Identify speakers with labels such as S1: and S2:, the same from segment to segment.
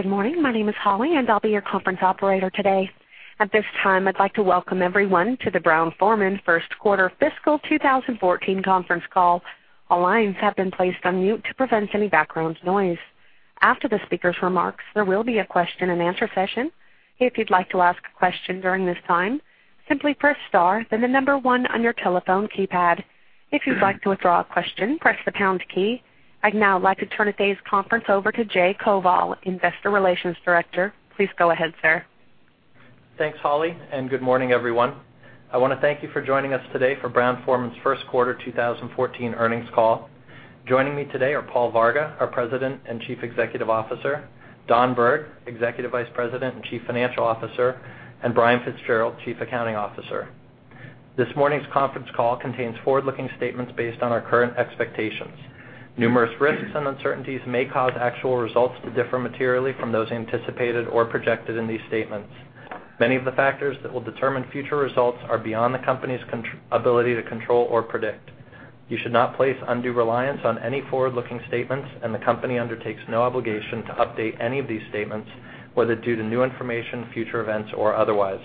S1: Good morning. My name is Holly, and I'll be your conference operator today. At this time, I'd like to welcome everyone to the Brown-Forman first quarter fiscal 2014 conference call. All lines have been placed on mute to prevent any background noise. After the speaker's remarks, there will be a question and answer session. If you'd like to ask a question during this time, simply press star, then the number one on your telephone keypad. If you'd like to withdraw a question, press the pound key. I'd now like to turn today's conference over to Jay Koval, Investor Relations Director. Please go ahead, sir.
S2: Thanks, Holly, good morning, everyone. I want to thank you for joining us today for Brown-Forman's first quarter 2014 earnings call. Joining me today are Paul Varga, our President and Chief Executive Officer, Don Berg, Executive Vice President and Chief Financial Officer, and Brian Fitzgerald, Chief Accounting Officer. This morning's conference call contains forward-looking statements based on our current expectations. Numerous risks and uncertainties may cause actual results to differ materially from those anticipated or projected in these statements. Many of the factors that will determine future results are beyond the company's ability to control or predict. You should not place undue reliance on any forward-looking statements, and the company undertakes no obligation to update any of these statements, whether due to new information, future events, or otherwise.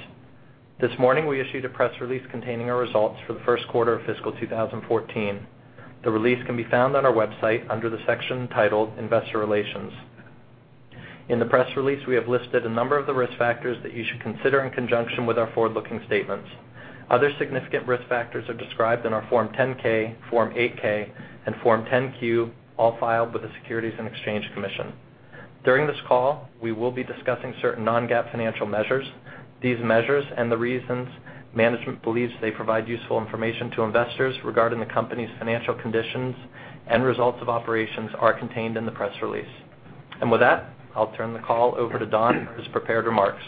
S2: This morning, we issued a press release containing our results for the first quarter of fiscal 2014. The release can be found on our website under the section titled Investor Relations. In the press release, we have listed a number of the risk factors that you should consider in conjunction with our forward-looking statements. Other significant risk factors are described in our Form 10-K, Form 8-K, and Form 10-Q, all filed with the Securities and Exchange Commission. During this call, we will be discussing certain non-GAAP financial measures. These measures and the reasons management believes they provide useful information to investors regarding the company's financial conditions and results of operations are contained in the press release. With that, I'll turn the call over to Don for his prepared remarks.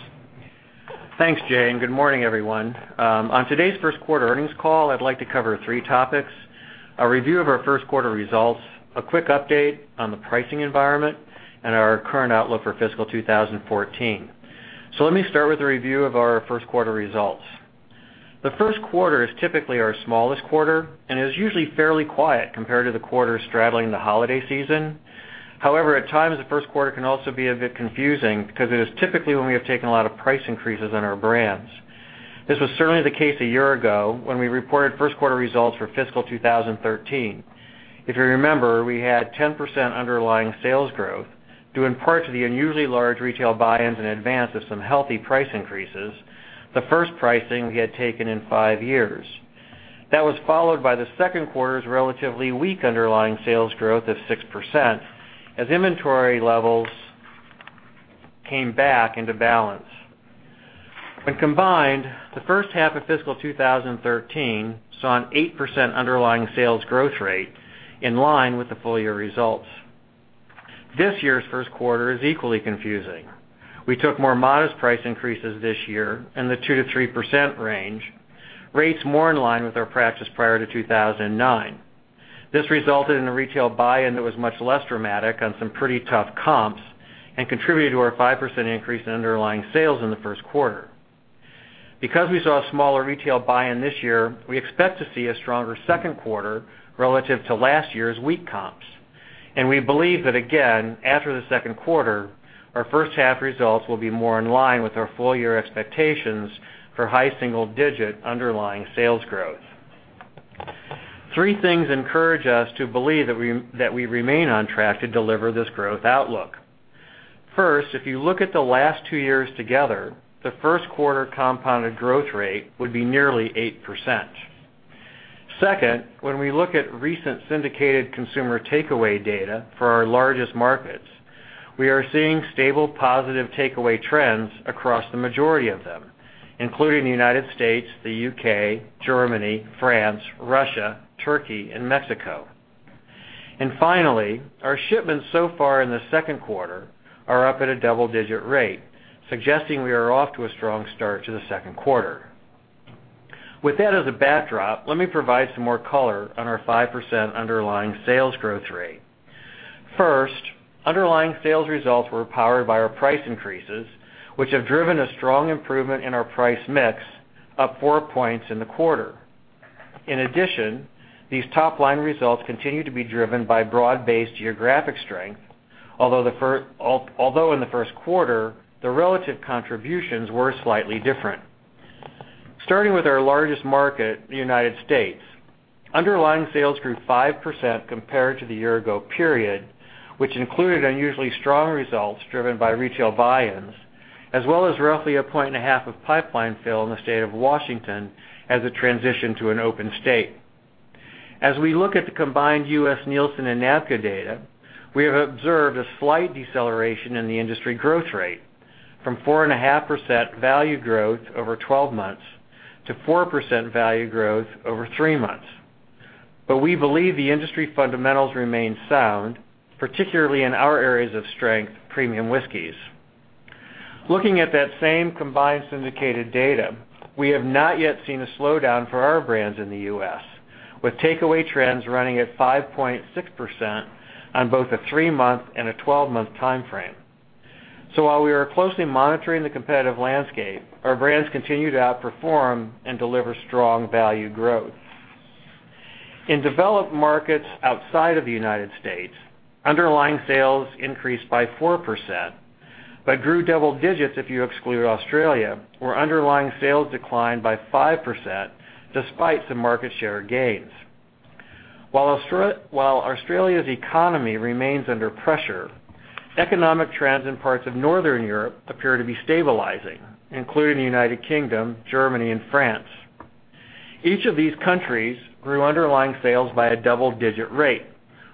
S3: Thanks, Jay, good morning, everyone. On today's first quarter earnings call, I'd like to cover three topics: a review of our first quarter results, a quick update on the pricing environment, and our current outlook for fiscal 2014. Let me start with a review of our first quarter results. The first quarter is typically our smallest quarter and is usually fairly quiet compared to the quarter straddling the holiday season. However, at times, the first quarter can also be a bit confusing because it is typically when we have taken a lot of price increases on our brands. This was certainly the case a year ago when we reported first quarter results for fiscal 2013. If you remember, we had 10% underlying sales growth, due in part to the unusually large retail buy-ins in advance of some healthy price increases, the first pricing we had taken in five years. That was followed by the second quarter's relatively weak underlying sales growth of 6% as inventory levels came back into balance. When combined, the first half of fiscal 2013 saw an 8% underlying sales growth rate in line with the full-year results. This year's first quarter is equally confusing. We took more modest price increases this year in the 2%-3% range, rates more in line with our practice prior to 2009. This resulted in a retail buy-in that was much less dramatic on some pretty tough comps and contributed to our 5% increase in underlying sales in the first quarter. We saw a smaller retail buy-in this year, we expect to see a stronger second quarter relative to last year's weak comps, and we believe that, again, after the second quarter, our first half results will be more in line with our full-year expectations for high single-digit underlying sales growth. Three things encourage us to believe that we remain on track to deliver this growth outlook. First, if you look at the last two years together, the first quarter compounded growth rate would be nearly 8%. Second, when we look at recent syndicated consumer takeaway data for our largest markets, we are seeing stable, positive takeaway trends across the majority of them, including the U.S., the U.K., Germany, France, Russia, Turkey, and Mexico. Finally, our shipments so far in the second quarter are up at a double-digit rate, suggesting we are off to a strong start to the second quarter. With that as a backdrop, let me provide some more color on our 5% underlying sales growth rate. First, underlying sales results were powered by our price increases, which have driven a strong improvement in our price mix, up four points in the quarter. In addition, these top-line results continue to be driven by broad-based geographic strength. Although in the first quarter, the relative contributions were slightly different. Starting with our largest market, the U.S., underlying sales grew 5% compared to the year-ago period, which included unusually strong results driven by retail buy-ins, as well as roughly a point and a half of pipeline fill in the state of Washington as it transitioned to an open state. As we look at the combined U.S. Nielsen and NABCA data, we have observed a slight deceleration in the industry growth rate from 4.5% value growth over 12 months to 4% value growth over three months. We believe the industry fundamentals remain sound, particularly in our areas of strength, premium whiskeys. Looking at that same combined syndicated data, we have not yet seen a slowdown for our brands in the U.S., with takeaway trends running at 5.6% on both a three-month and a 12-month timeframe. While we are closely monitoring the competitive landscape, our brands continue to outperform and deliver strong value growth. In developed markets outside of the U.S., underlying sales increased by 4%, but grew double-digits if you exclude Australia, where underlying sales declined by 5%, despite some market share gains. While Australia's economy remains under pressure, economic trends in parts of Northern Europe appear to be stabilizing, including the United Kingdom, Germany, and France. Each of these countries grew underlying sales by a double-digit rate,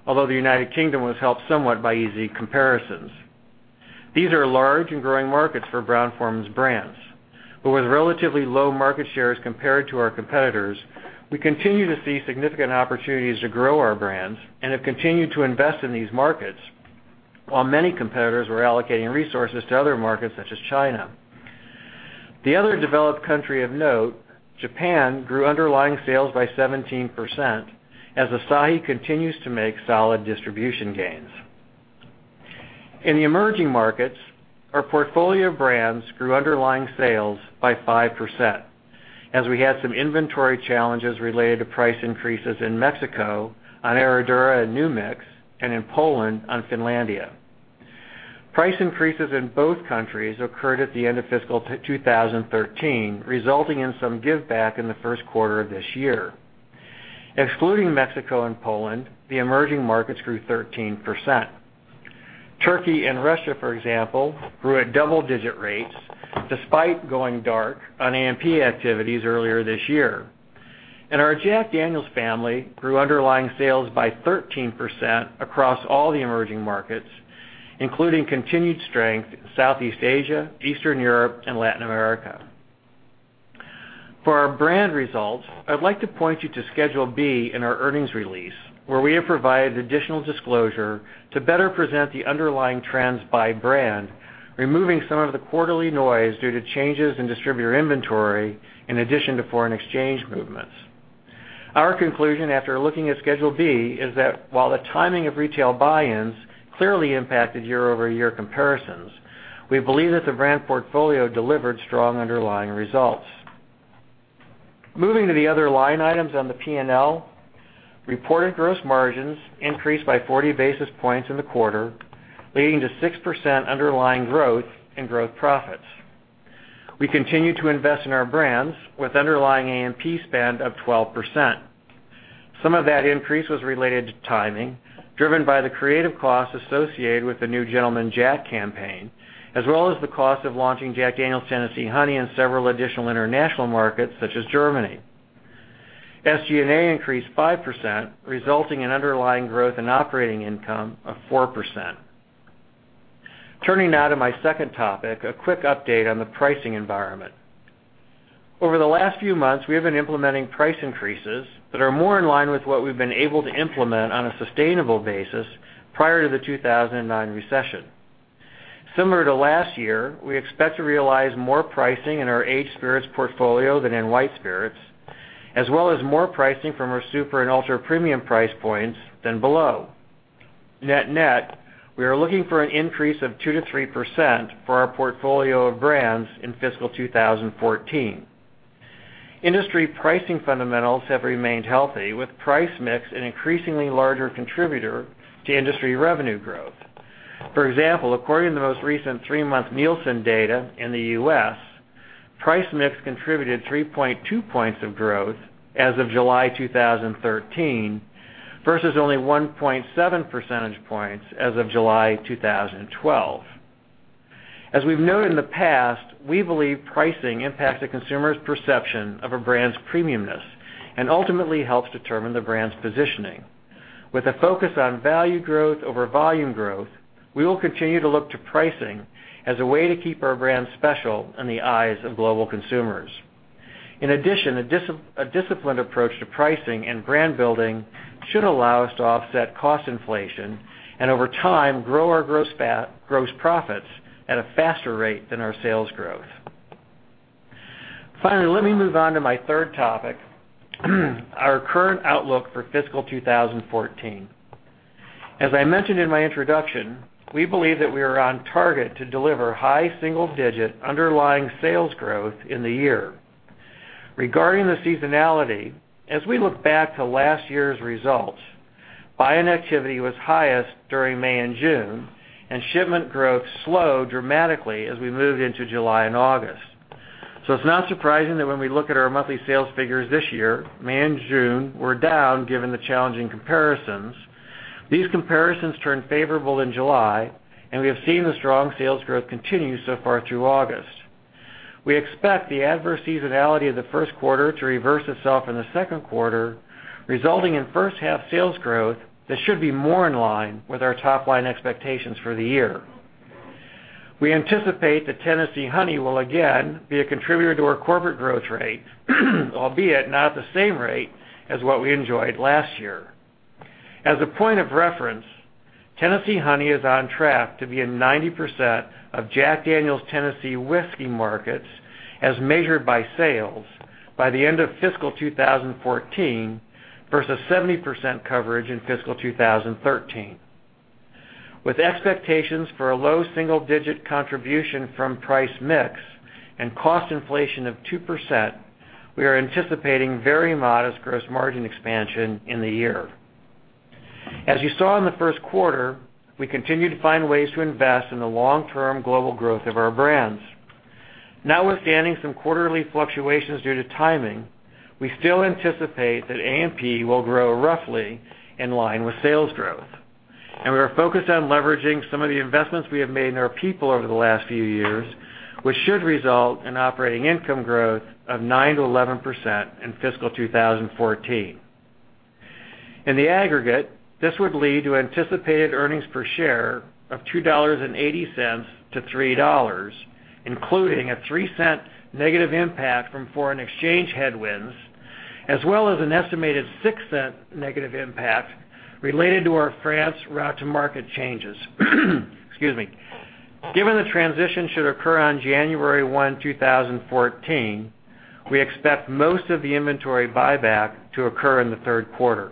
S3: although the United Kingdom was helped somewhat by easy comparisons. These are large and growing markets for Brown-Forman's brands. With relatively low market shares compared to our competitors, we continue to see significant opportunities to grow our brands and have continued to invest in these markets, while many competitors were allocating resources to other markets such as China. The other developed country of note, Japan, grew underlying sales by 17% as Asahi continues to make solid distribution gains. In the emerging markets, our portfolio of brands grew underlying sales by 5% as we had some inventory challenges related to price increases in Mexico on Herradura and New Mix, and in Poland on Finlandia. Price increases in both countries occurred at the end of fiscal 2013, resulting in some giveback in the first quarter of this year. Excluding Mexico and Poland, the emerging markets grew 13%. Turkey and Russia, for example, grew at double-digit rates despite going dark on AMP activities earlier this year. Our Jack Daniel's family grew underlying sales by 13% across all the emerging markets, including continued strength in Southeast Asia, Eastern Europe, and Latin America. For our brand results, I'd like to point you to Schedule B in our earnings release, where we have provided additional disclosure to better present the underlying trends by brand, removing some of the quarterly noise due to changes in distributor inventory, in addition to foreign exchange movements. Our conclusion after looking at Schedule B is that while the timing of retail buy-ins clearly impacted year-over-year comparisons, we believe that the brand portfolio delivered strong underlying results. Moving to the other line items on the P&L, reported gross margins increased by 40 basis points in the quarter, leading to 6% underlying growth in gross profits. We continue to invest in our brands with underlying AMP spend of 12%. Some of that increase was related to timing, driven by the creative costs associated with the New Gentleman Jack campaign, as well as the cost of launching Jack Daniel's Tennessee Honey in several additional international markets such as Germany. SG&A increased 5%, resulting in underlying growth in operating income of 4%. Turning now to my second topic, a quick update on the pricing environment. Over the last few months, we have been implementing price increases that are more in line with what we've been able to implement on a sustainable basis prior to the 2009 recession. Similar to last year, we expect to realize more pricing in our aged spirits portfolio than in white spirits, as well as more pricing from our super and ultra-premium price points than below. Net-net, we are looking for an increase of 2%-3% for our portfolio of brands in fiscal 2014. Industry pricing fundamentals have remained healthy, with price mix an increasingly larger contributor to industry revenue growth. For example, according to the most recent three-month Nielsen data in the U.S., price mix contributed 3.2 points of growth as of July 2013 versus only 1.7 percentage points as of July 2012. As we've noted in the past, we believe pricing impacts a consumer's perception of a brand's premiumness and ultimately helps determine the brand's positioning. With a focus on value growth over volume growth, we will continue to look to pricing as a way to keep our brands special in the eyes of global consumers. In addition, a disciplined approach to pricing and brand building should allow us to offset cost inflation and, over time, grow our gross profits at a faster rate than our sales growth. Finally, let me move on to my third topic, our current outlook for fiscal 2014. As I mentioned in my introduction, we believe that we are on target to deliver high single-digit underlying sales growth in the year. Regarding the seasonality, as we look back to last year's results, buy-in activity was highest during May and June, and shipment growth slowed dramatically as we moved into July and August. It's not surprising that when we look at our monthly sales figures this year, May and June were down, given the challenging comparisons. These comparisons turned favorable in July, and we have seen the strong sales growth continue so far through August. We expect the adverse seasonality of the first quarter to reverse itself in the second quarter, resulting in first-half sales growth that should be more in line with our top-line expectations for the year. We anticipate that Tennessee Honey will again be a contributor to our corporate growth rate, albeit not at the same rate as what we enjoyed last year. As a point of reference, Tennessee Honey is on track to be in 90% of Jack Daniel's Tennessee Whiskey markets as measured by sales by the end of fiscal 2014 versus 70% coverage in fiscal 2013. With expectations for a low single-digit contribution from price mix and cost inflation of 2%, we are anticipating very modest gross margin expansion in the year. As you saw in the first quarter, we continue to find ways to invest in the long-term global growth of our brands. Notwithstanding some quarterly fluctuations due to timing, we still anticipate that A&P will grow roughly in line with sales growth. We are focused on leveraging some of the investments we have made in our people over the last few years, which should result in operating income growth of 9%-11% in fiscal 2014. In the aggregate, this would lead to anticipated earnings per share of $2.80-$3, including a $0.03 negative impact from foreign exchange headwinds, as well as an estimated $0.06 negative impact related to our France route-to-market changes. Excuse me. Given the transition should occur on January 1, 2014, we expect most of the inventory buyback to occur in the third quarter.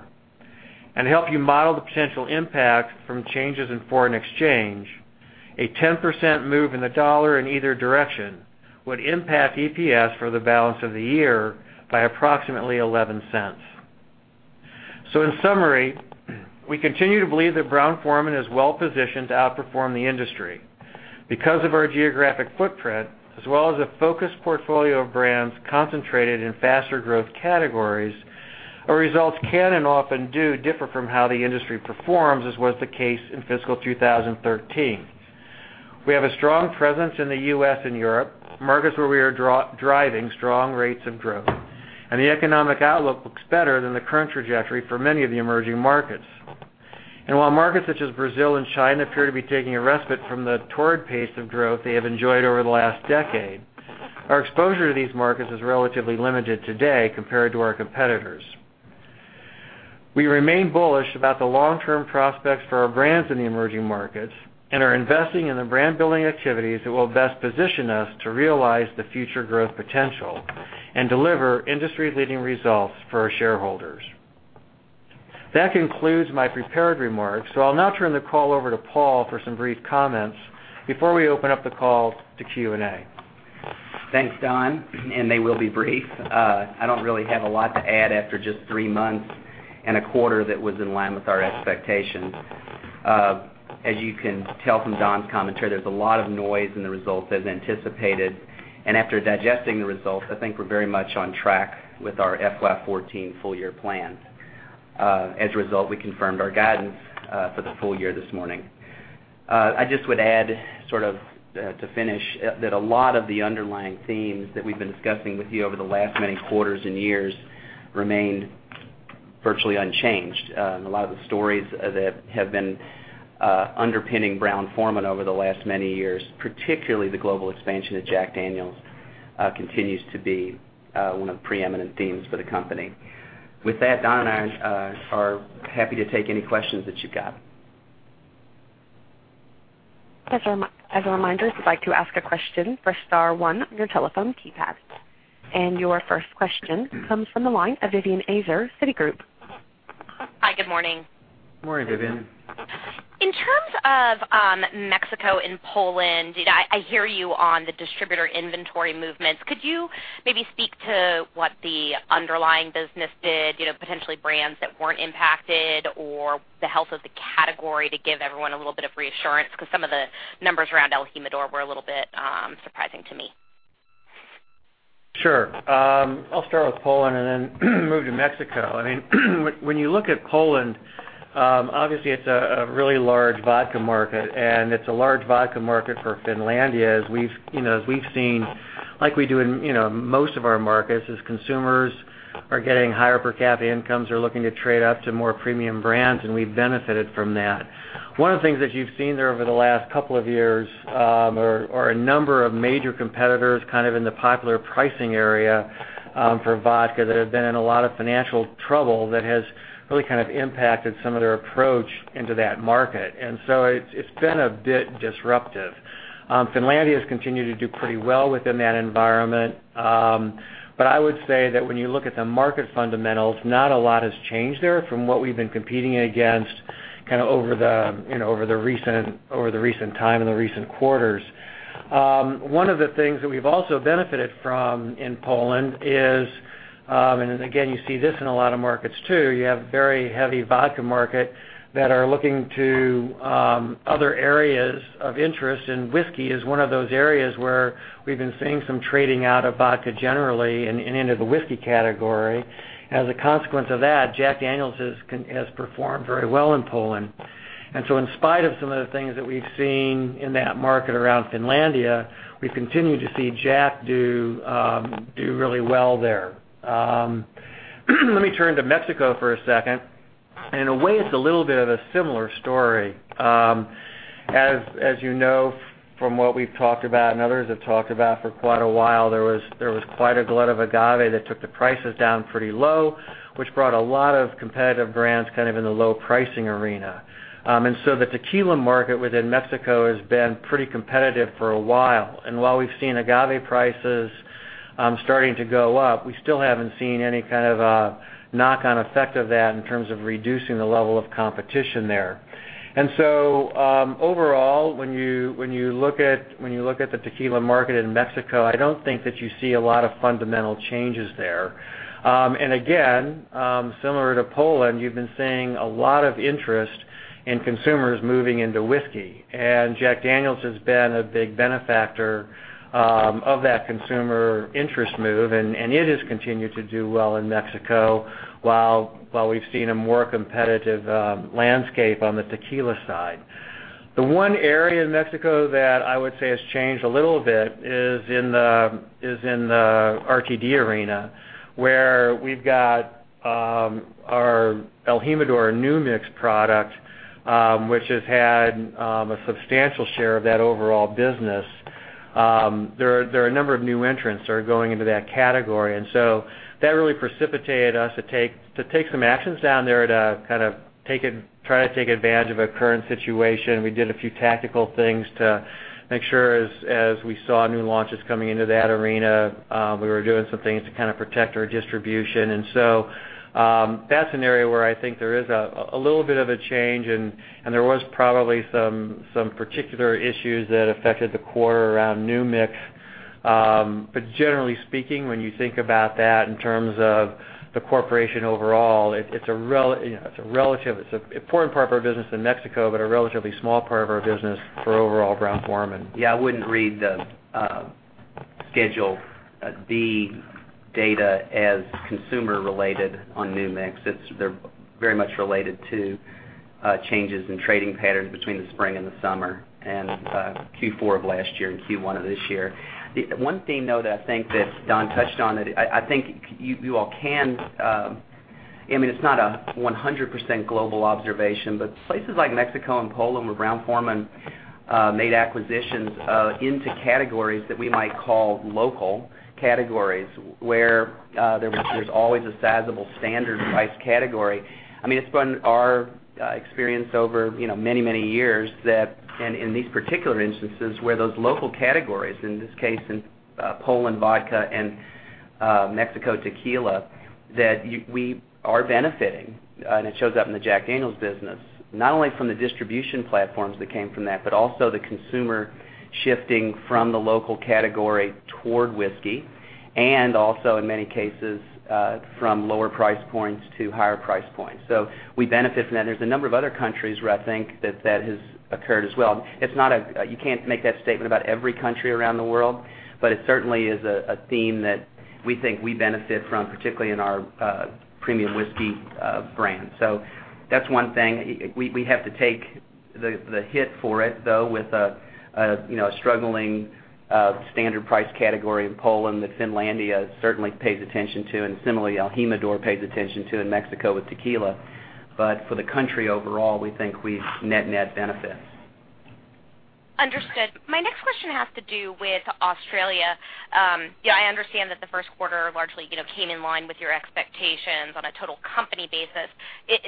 S3: To help you model the potential impact from changes in foreign exchange, a 10% move in the dollar in either direction would impact EPS for the balance of the year by approximately $0.11. In summary, we continue to believe that Brown-Forman is well-positioned to outperform the industry. Because of our geographic footprint, as well as a focused portfolio of brands concentrated in faster growth categories, our results can and often do differ from how the industry performs, as was the case in fiscal 2013. We have a strong presence in the U.S. and Europe, markets where we are driving strong rates of growth. The economic outlook looks better than the current trajectory for many of the emerging markets. While markets such as Brazil and China appear to be taking a respite from the torrid pace of growth they have enjoyed over the last decade, our exposure to these markets is relatively limited today compared to our competitors. We remain bullish about the long-term prospects for our brands in the emerging markets and are investing in the brand-building activities that will best position us to realize the future growth potential and deliver industry-leading results for our shareholders. That concludes my prepared remarks. I'll now turn the call over to Paul for some brief comments before we open up the call to Q&A.
S4: Thanks, Don. They will be brief. I don't really have a lot to add after just three months and a quarter that was in line with our expectations. As you can tell from Don's commentary, there's a lot of noise in the results, as anticipated. After digesting the results, I think we're very much on track with our FY 2014 full year plans. As a result, we confirmed our guidance for the full year this morning. I just would add sort of, to finish, that a lot of the underlying themes that we've been discussing with you over the last many quarters and years remain virtually unchanged. A lot of the stories that have been underpinning Brown-Forman over the last many years, particularly the global expansion of Jack Daniel's, continues to be one of the preeminent themes for the company. With that, Don and I are happy to take any questions that you've got.
S1: As a reminder, if you'd like to ask a question, press star one on your telephone keypad. Your first question comes from the line of Vivien Azer, Citigroup.
S5: Hi, good morning.
S4: Good morning, Vivien.
S5: In terms of Mexico and Poland, I hear you on the distributor inventory movements. Could you maybe speak to what the underlying business did, potentially brands that weren't impacted, or the health of the category to give everyone a little bit of reassurance? Because some of the numbers around el Jimador were a little bit surprising to me.
S3: Sure. I'll start with Poland and then move to Mexico. When you look at Poland, obviously it's a really large vodka market, and it's a large vodka market for Finlandia, as we've seen, like we do in most of our markets, as consumers are getting higher per capita incomes, are looking to trade up to more premium brands, and we've benefited from that. One of the things that you've seen there over the last couple of years are a number of major competitors kind of in the popular pricing area for vodka that have been in a lot of financial trouble that has really kind of impacted some of their approach into that market. It's been a bit disruptive. Finlandia has continued to do pretty well within that environment. I would say that when you look at the market fundamentals, not a lot has changed there from what we've been competing against over the recent time and the recent quarters. One of the things that we've also benefited from in Poland is, and again, you see this in a lot of markets too. You have a very heavy vodka market that are looking to other areas of interest, and whiskey is one of those areas where we've been seeing some trading out of vodka generally and into the whiskey category. As a consequence of that, Jack Daniel's has performed very well in Poland. In spite of some of the things that we've seen in that market around Finlandia, we continue to see Jack do really well there. Let me turn to Mexico for a second. In a way, it's a little bit of a similar story. As you know from what we've talked about and others have talked about for quite a while, there was quite a glut of agave that took the prices down pretty low, which brought a lot of competitive brands kind of in the low pricing arena. The tequila market within Mexico has been pretty competitive for a while. While we've seen agave prices starting to go up, we still haven't seen any kind of a knock-on effect of that in terms of reducing the level of competition there. Overall, when you look at the tequila market in Mexico, I don't think that you see a lot of fundamental changes there. Again, similar to Poland, you've been seeing a lot of interest in consumers moving into whiskey. Jack Daniel's has been a big benefactor of that consumer interest move, and it has continued to do well in Mexico, while we've seen a more competitive landscape on the tequila side. The one area in Mexico that I would say has changed a little bit is in the RTD arena, where we've got our el Jimador New Mix product, which has had a substantial share of that overall business. There are a number of new entrants that are going into that category. That really precipitated us to take some actions down there to try to take advantage of a current situation. We did a few tactical things to make sure as we saw new launches coming into that arena, we were doing some things to protect our distribution. That's an area where I think there is a little bit of a change, and there was probably some particular issues that affected the quarter around New Mix. Generally speaking, when you think about that in terms of the corporation overall, it's an important part of our business in Mexico, but a relatively small part of our business for overall Brown-Forman.
S4: I wouldn't read the Schedule B data as consumer-related on New Mix. They're very much related to changes in trading patterns between the spring and the summer, and Q4 of last year and Q1 of this year. The one theme I think Don touched on, it's not a 100% global observation, but places like Mexico and Poland, where Brown-Forman made acquisitions into categories that we might call local categories, where there was always a sizable standard price category. It's been our experience over many, many years, and in these particular instances, where those local categories, in this case, in Poland vodka and Mexico tequila, that we are benefiting. It shows up in the Jack Daniel's business, not only from the distribution platforms that came from that, but also the consumer shifting from the local category toward whiskey, and also, in many cases, from lower price points to higher price points. We benefit from that. There's a number of other countries where I think that has occurred as well. You can't make that statement about every country around the world, but it certainly is a theme that we think we benefit from, particularly in our premium whiskey brand. That's one thing. We have to take the hit for it, though, with a struggling standard price category in Poland that Finlandia certainly pays attention to, and similarly, el Jimador pays attention to in Mexico with tequila. For the country overall, we think we net benefit.
S5: Understood. My next question has to do with Australia. I understand that the first quarter largely came in line with your expectations on a total company basis.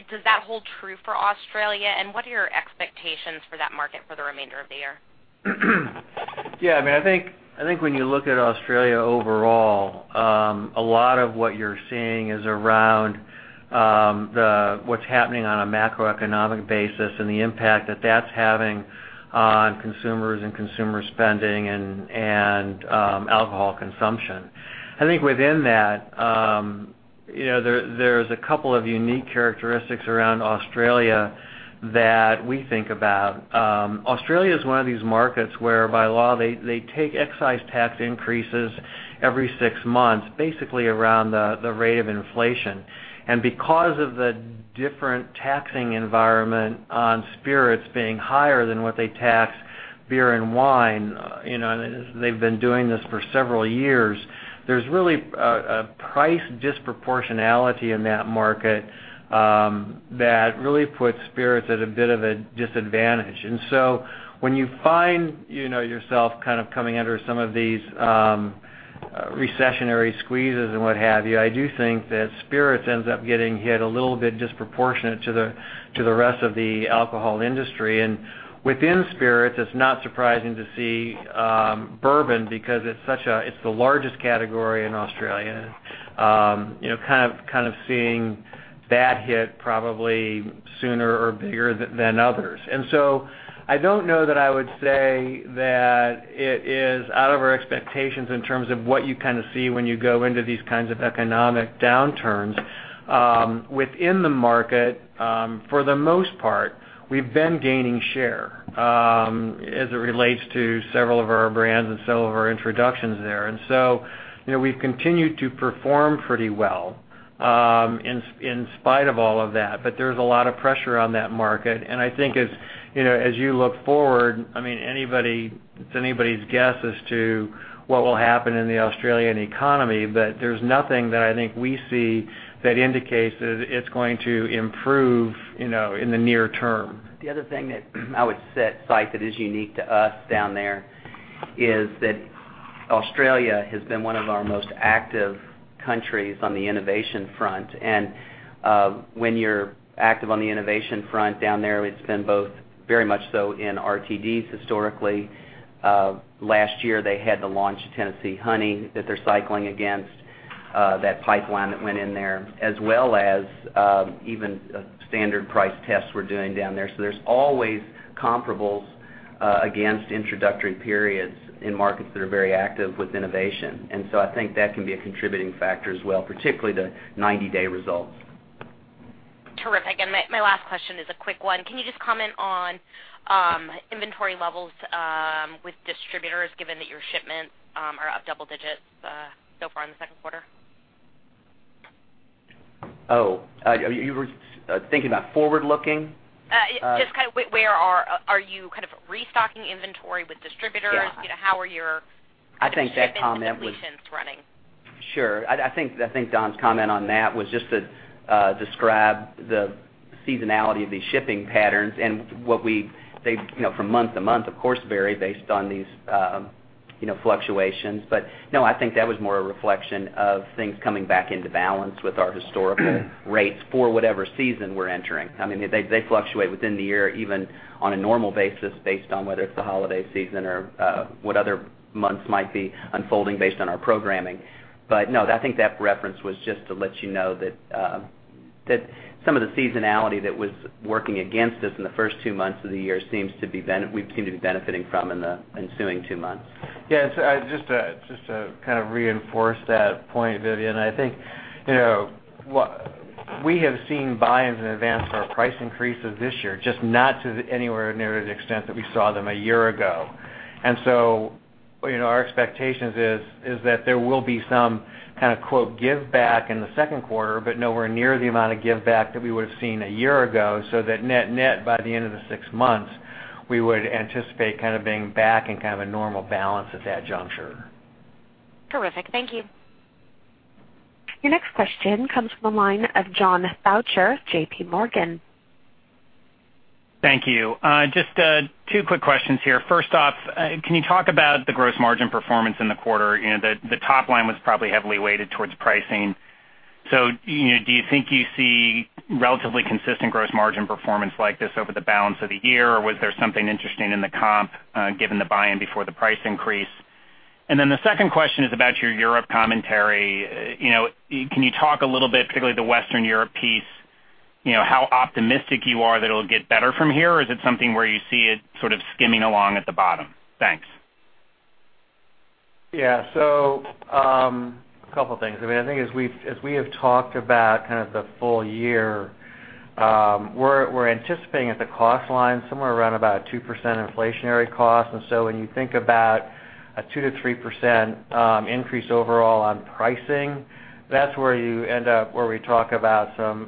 S5: Does that hold true for Australia, and what are your expectations for that market for the remainder of the year?
S3: I think when you look at Australia overall, a lot of what you're seeing is around what's happening on a macroeconomic basis and the impact that that's having on consumers and consumer spending and alcohol consumption. I think within that, there's a couple of unique characteristics around Australia that we think about. Australia is one of these markets where, by law, they take excise tax increases every six months, basically around the rate of inflation. Because of the different taxing environment on spirits being higher than what they tax beer and wine, they've been doing this for several years. There's really a price disproportionality in that market that really puts spirits at a bit of a disadvantage. When you find yourself coming under some of these recessionary squeezes and what have you, I do think that spirits ends up getting hit a little bit disproportionate to the rest of the alcohol industry. Within spirits, it's not surprising to see bourbon, because it's the largest category in Australia, kind of seeing that hit probably sooner or bigger than others. I don't know that I would say that it is out of our expectations in terms of what you see when you go into these kinds of economic downturns. Within the market, for the most part, we've been gaining share as it relates to several of our brands and several of our introductions there. We've continued to perform pretty well in spite of all of that, but there's a lot of pressure on that market. I think as you look forward, it's anybody's guess as to what will happen in the Australian economy. There's nothing that I think we see that indicates that it's going to improve in the near term.
S4: The other thing that I would cite that is unique to us down there is that Australia has been one of our most active countries on the innovation front. When you're active on the innovation front down there, it's been both very much so in RTDs historically. Last year, they had the launch of Tennessee Honey that they're cycling against That pipeline that went in there, as well as even a standard price test we're doing down there. There's always comparables against introductory periods in markets that are very active with innovation. I think that can be a contributing factor as well, particularly the 90-day results.
S5: Terrific. My last question is a quick one. Can you just comment on inventory levels with distributors, given that your shipments are up double digits so far in the second quarter?
S4: Oh, you were thinking about forward-looking?
S5: Just where are you restocking inventory with distributors?
S4: Yeah.
S5: How are your-
S4: I think that comment was-
S5: shipments and deletions running?
S4: Sure. I think Don's comment on that was just to describe the seasonality of these shipping patterns and they from month to month, of course, vary based on these fluctuations. No, I think that was more a reflection of things coming back into balance with our historical rates for whatever season we're entering. They fluctuate within the year, even on a normal basis, based on whether it's the holiday season or what other months might be unfolding based on our programming. No, I think that reference was just to let you know that some of the seasonality that was working against us in the first two months of the year, we seem to be benefiting from in the ensuing two months.
S3: Yes. Just to reinforce that point, Vivien, I think, we have seen buy-ins in advance for our price increases this year, just not to anywhere near the extent that we saw them a year ago. So our expectations is that there will be some kind of quote, give back in the second quarter, but nowhere near the amount of give back that we would've seen a year ago, so that net by the end of the six months, we would anticipate being back in a normal balance at that juncture.
S5: Terrific. Thank you.
S1: Your next question comes from the line of John Faucher, JPMorgan.
S6: Thank you. Just two quick questions here. First off, can you talk about the gross margin performance in the quarter? Do you think you see relatively consistent gross margin performance like this over the balance of the year? Or was there something interesting in the comp, given the buy-in before the price increase? The second question is about your Europe commentary. Can you talk a little bit, particularly the Western Europe piece, how optimistic you are that it'll get better from here? Or is it something where you see it sort of skimming along at the bottom? Thanks.
S3: A couple things. I think as we have talked about the full year, we're anticipating at the cost line somewhere around about 2% inflationary cost. When you think about a 2%-3% increase overall on pricing, that's where you end up, where we talk about some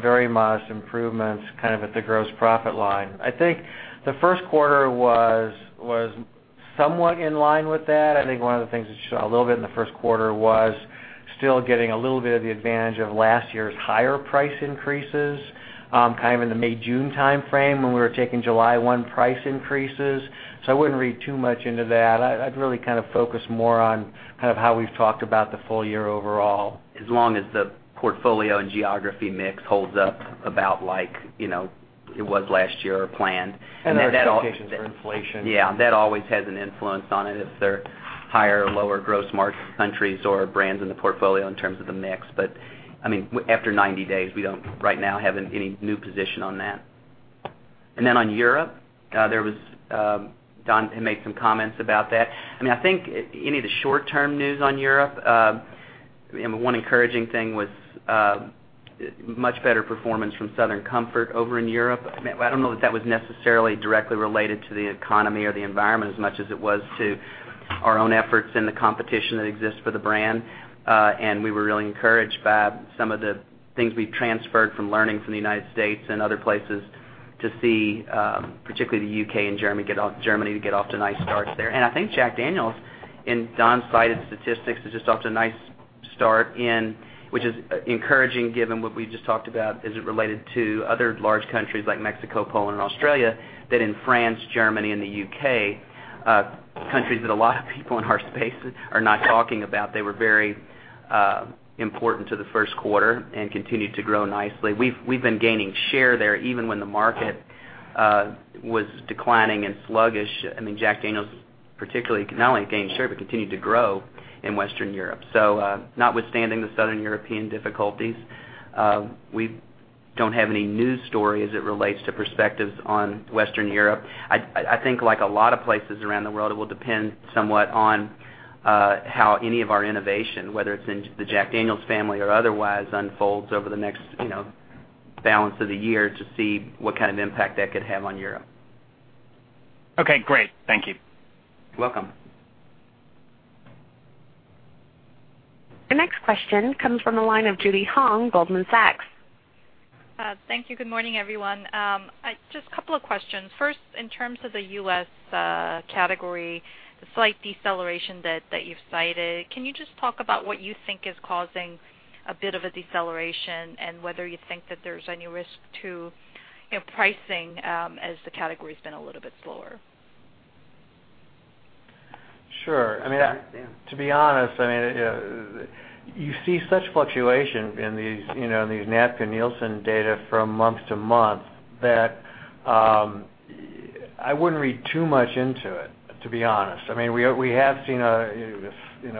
S3: very modest improvements at the gross profit line. I think the first quarter was somewhat in line with that. I think one of the things that showed a little bit in the first quarter was still getting a little bit of the advantage of last year's higher price increases, in the May, June timeframe when we were taking July 1 price increases. I wouldn't read too much into that. I'd really focus more on how we've talked about the full year overall.
S4: As long as the portfolio and geography mix holds up about like it was last year or planned.
S3: Our expectations for inflation.
S4: Yeah, that always has an influence on it if there are higher or lower gross margin countries or brands in the portfolio in terms of the mix. After 90 days, we don't right now have any new position on that. On Europe, Don Berg had made some comments about that. I think any of the short-term news on Europe, one encouraging thing was much better performance from Southern Comfort over in Europe. I don't know that was necessarily directly related to the economy or the environment as much as it was to our own efforts and the competition that exists for the brand. We were really encouraged by some of the things we've transferred from learning from the U.S. and other places to see, particularly the U.K. and Germany, get off to nice starts there. I think Jack Daniel's and Don Berg cited statistics is just off to a nice start, which is encouraging given what we just talked about as it related to other large countries like Mexico, Poland, and Australia, that in France, Germany, and the U.K., countries that a lot of people in our spaces are not talking about, they were very important to the first quarter and continue to grow nicely. We've been gaining share there even when the market was declining and sluggish. Jack Daniel's particularly not only gained share, but continued to grow in Western Europe. Notwithstanding the Southern European difficulties, we don't have any new story as it relates to perspectives on Western Europe. I think like a lot of places around the world, it will depend somewhat on how any of our innovation, whether it's in the Jack Daniel's family or otherwise, unfolds over the next balance of the year to see what kind of impact that could have on Europe.
S6: Okay, great. Thank you.
S4: You're welcome.
S1: Your next question comes from the line of Judy Hong, Goldman Sachs.
S7: Thank you. Good morning, everyone. Just a couple of questions. First, in terms of the U.S. category, the slight deceleration that you've cited, can you just talk about what you think is causing a bit of a deceleration, and whether you think that there's any risk to pricing, as the category's been a little bit slower?
S3: Sure. To be honest, you see such fluctuation in these Nielsen data from month to month that I wouldn't read too much into it, to be honest. We have seen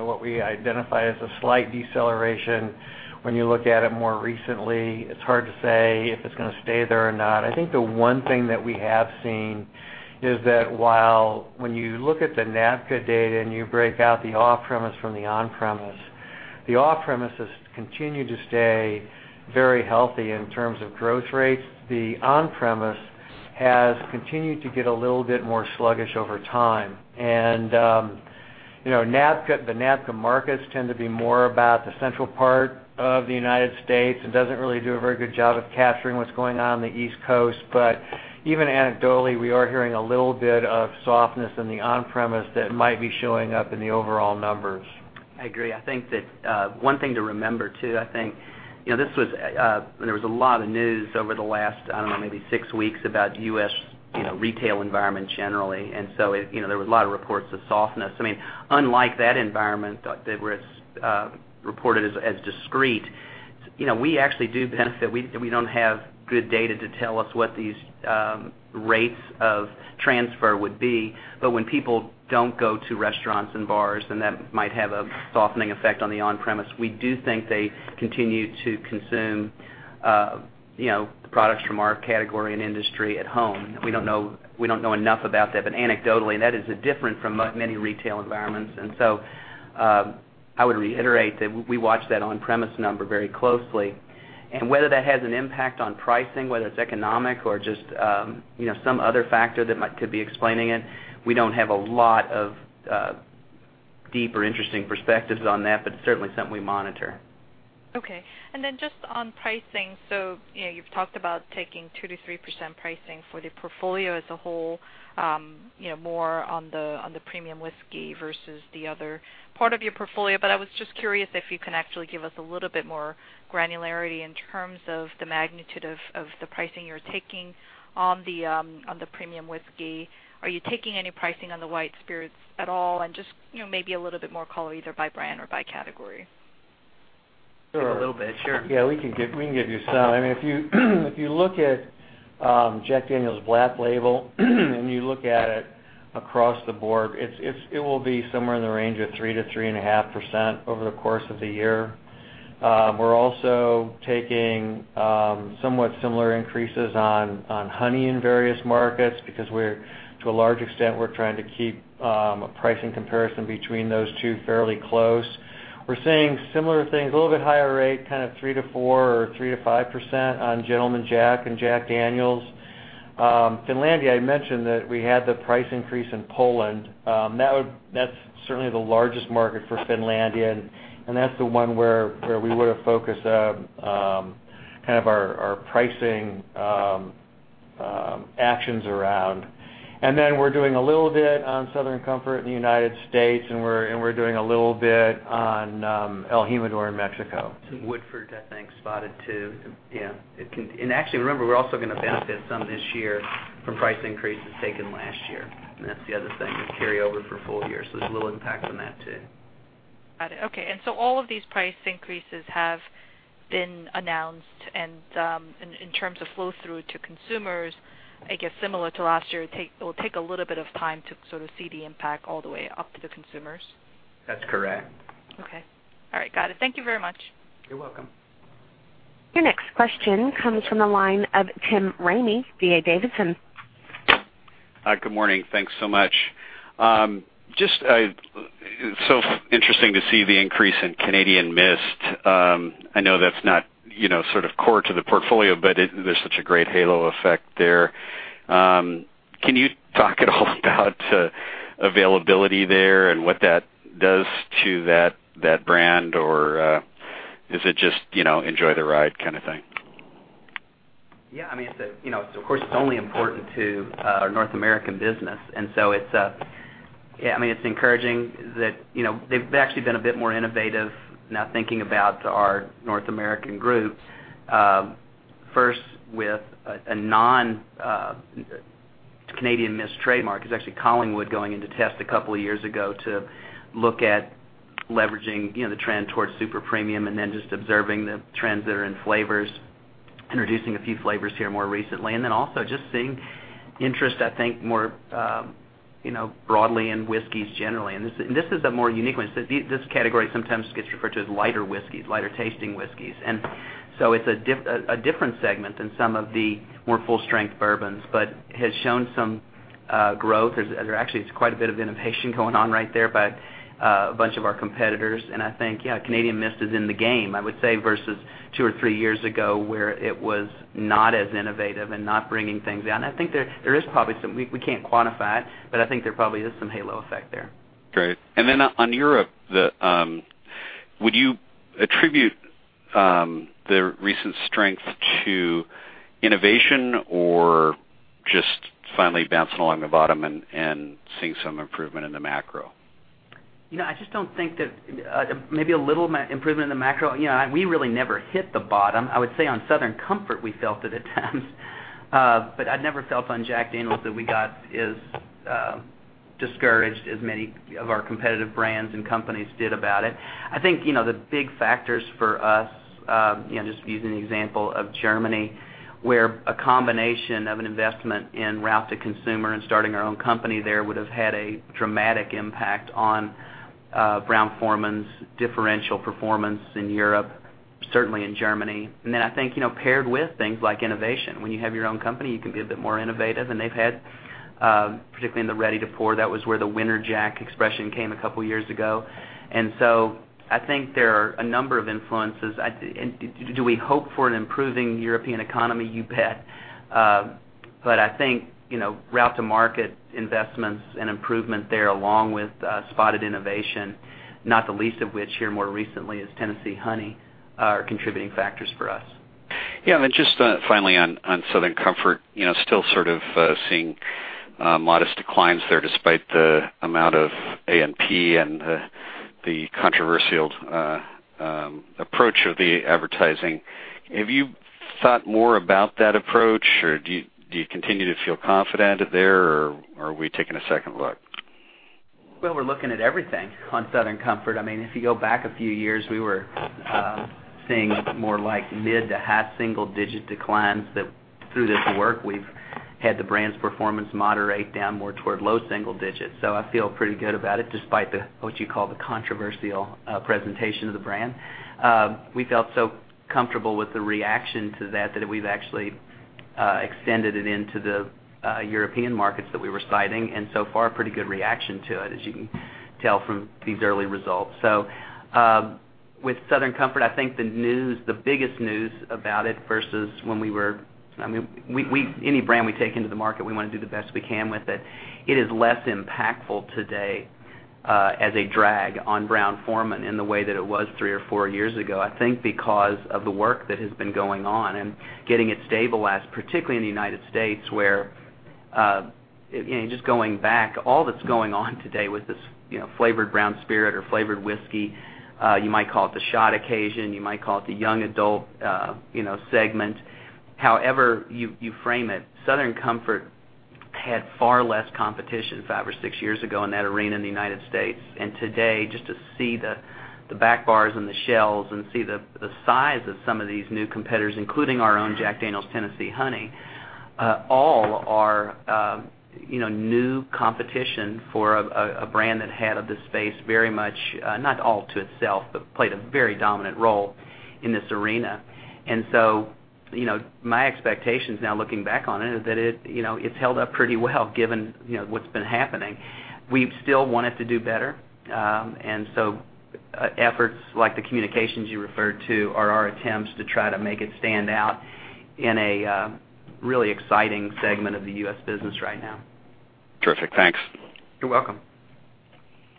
S3: what we identify as a slight deceleration when you look at it more recently. It's hard to say if it's going to stay there or not. I think the one thing that we have seen is that while when you look at the NABCA data and you break out the off-premise from the on-premise, the off-premise has continued to stay very healthy in terms of growth rates. The on-premise has continued to get a little bit more sluggish over time. The NABCA markets tend to be more about the central part of the U.S. and doesn't really do a very good job of capturing what's going on in the East Coast. Even anecdotally, we are hearing a little bit of softness in the on-premise that might be showing up in the overall numbers.
S4: I agree. I think that one thing to remember, too, there was a lot of news over the last, I don't know, maybe six weeks about the U.S. retail environment generally. There were a lot of reports of softness. Unlike that environment that was reported as discrete, we actually do benefit. We don't have good data to tell us what these rates of transfer would be. When people don't go to restaurants and bars, then that might have a softening effect on the on-premise. We do think they continue to consume products from our category and industry at home. We don't know enough about that, but anecdotally, that is different from many retail environments. I would reiterate that we watch that on-premise number very closely. Whether that has an impact on pricing, whether it's economic or just some other factor that could be explaining it, we don't have a lot of deep or interesting perspectives on that, it's certainly something we monitor.
S7: Okay. Then just on pricing, you've talked about taking 2%-3% pricing for the portfolio as a whole, more on the premium whiskey versus the other part of your portfolio. I was just curious if you can actually give us a little bit more granularity in terms of the magnitude of the pricing you're taking on the premium whiskey. Are you taking any pricing on the white spirits at all? Just maybe a little bit more color, either by brand or by category.
S4: Sure. A little bit. Sure.
S3: We can give you some. If you look at Jack Daniel's Black Label, you look at it across the board, it will be somewhere in the range of 3%-3.5% over the course of the year. We're also taking somewhat similar increases on Honey in various markets because, to a large extent, we're trying to keep a pricing comparison between those two fairly close. We're seeing similar things, a little bit higher rate, kind of 3%-4% or 3%-5% on Gentleman Jack and Jack Daniel's. Finlandia, I mentioned that we had the price increase in Poland. That's certainly the largest market for Finlandia, that's the one where we would have focused our pricing actions around. We're doing a little bit on Southern Comfort in the United States, we're doing a little bit on el Jimador in Mexico.
S4: Woodford, I think, spotted too. Actually, remember, we're also going to benefit some this year from price increases taken last year. That's the other thing, the carryover for a full year. There's a little impact from that, too.
S7: Got it. Okay. All of these price increases have been announced, and in terms of flow through to consumers, I guess similar to last year, it will take a little bit of time to see the impact all the way up to the consumers?
S4: That's correct.
S7: Okay. All right. Got it. Thank you very much.
S4: You're welcome.
S1: Your next question comes from the line of Tim Ramey, D.A. Davidson.
S8: Hi. Good morning. Thanks so much. Just so interesting to see the increase in Canadian Mist. I know that's not core to the portfolio, there's such a great halo effect there. Can you talk at all about availability there and what that does to that brand? Is it just enjoy the ride kind of thing?
S4: Yeah. Of course, it's only important to our North American business, it's encouraging that they've actually been a bit more innovative, now thinking about our North American group. First, with a non-Canadian Mist trademark, it's actually Collingwood going into test a couple of years ago to look at leveraging the trend towards super premium just observing the trends that are in flavors, introducing a few flavors here more recently. Also just seeing interest, I think, more broadly in whiskeys generally. This is a more unique one. This category sometimes gets referred to as lighter whiskeys, lighter-tasting whiskeys. It's a different segment than some of the more full-strength bourbons, but has shown some growth. There actually is quite a bit of innovation going on right there by a bunch of our competitors. I think, yeah, Canadian Mist is in the game, I would say, versus two or three years ago, where it was not as innovative and not bringing things down. We can't quantify it, but I think there probably is some halo effect there.
S8: Great. On Europe, would you attribute the recent strength to innovation or just finally bouncing along the bottom and seeing some improvement in the macro?
S4: Maybe a little improvement in the macro. We really never hit the bottom. I would say on Southern Comfort, we felt it at times but I've never felt on Jack Daniel's that we got as discouraged as many of our competitive brands and companies did about it. I think, the big factors for us, just using the example of Germany, where a combination of an investment in route to consumer and starting our own company there would've had a dramatic impact on Brown-Forman's differential performance in Europe, certainly in Germany. I think, paired with things like innovation. When you have your own company, you can be a bit more innovative, and they've had, particularly in the ready-to-pour, that was where the Winter Jack expression came a couple of years ago. I think there are a number of influences. Do we hope for an improving European economy? You bet. I think, route-to-market investments and improvement there, along with spotted innovation, not the least of which here more recently is Tennessee Honey, are contributing factors for us.
S8: Yeah. Just finally on Southern Comfort, still sort of seeing modest declines there, despite the amount of A&P and the controversial approach of the advertising. Have you thought more about that approach, or do you continue to feel confident there, or are we taking a second look?
S4: Well, we're looking at everything on Southern Comfort. If you go back a few years, we were seeing more like mid to half single-digit declines that through this work, we've had the brand's performance moderate down more toward low single digits. I feel pretty good about it, despite what you call the controversial presentation of the brand. We felt so comfortable with the reaction to that we've actually extended it into the European markets that we were citing, and so far, pretty good reaction to it, as you can tell from these early results. With Southern Comfort, I think the biggest news about it versus any brand we take into the market, we want to do the best we can with it. It is less impactful today as a drag on Brown-Forman in the way that it was three or four years ago, I think because of the work that has been going on and getting it stabilized, particularly in the United States, where, just going back, all that's going on today with this flavored brown spirit or flavored whiskey, you might call it the shot occasion, you might call it the young adult segment. However you frame it, Southern Comfort had far less competition five or six years ago in that arena in the United States. Today, just to see the back bars and the shelves and see the size of some of these new competitors, including our own Jack Daniel's Tennessee Honey, all are new competition for a brand that had the space very much, not all to itself, but played a very dominant role in this arena. My expectations now looking back on it, is that it's held up pretty well given what's been happening. We still want it to do better. Efforts like the communications you referred to are our attempts to try to make it stand out in a really exciting segment of the U.S. business right now.
S8: Terrific. Thanks.
S4: You're welcome.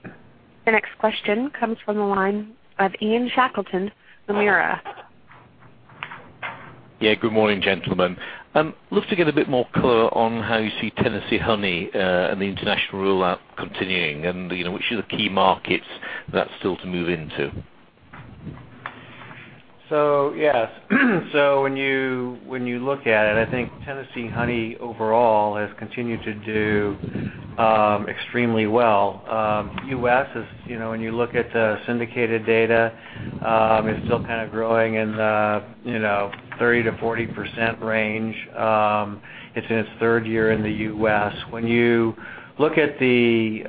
S1: The next question comes from the line of Ian Shackleton, Nomura.
S9: Yeah, good morning, gentlemen. Love to get a bit more color on how you see Jack Daniel's Tennessee Honey, and the international rollout continuing and, which are the key markets that's still to move into.
S3: Yes. When you look at it, I think Jack Daniel's Tennessee Honey overall has continued to do extremely well. U.S. is, when you look at the syndicated data, it's still kind of growing in the 30%-40% range. It's in its third year in the U.S. When you look at the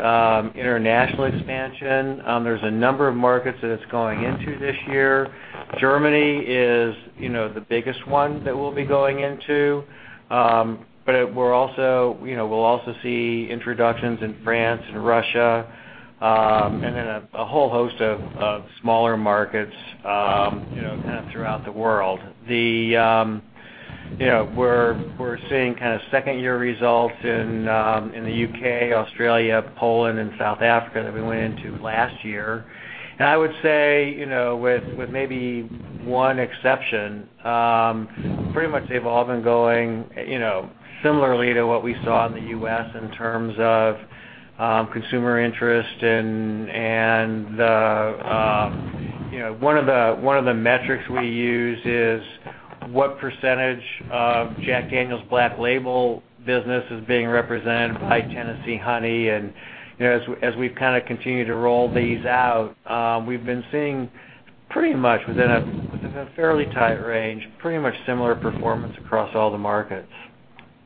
S3: international expansion, there's a number of markets that it's going into this year. Germany is the biggest one that we'll be going into. We'll also see introductions in France and Russia, and then a whole host of smaller markets kind of throughout the world. We're seeing kind of second-year results in the U.K., Australia, Poland, and South Africa that we went into last year. I would say, with maybe one exception, pretty much they've all been going similarly to what we saw in the U.S. in terms of consumer interest. One of the metrics we use is what percentage of Jack Daniel's Black Label business is being represented by Tennessee Honey. As we've kind of continued to roll these out, we've been seeing pretty much within a fairly tight range, pretty much similar performance across all the markets.